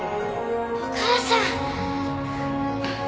お母さん！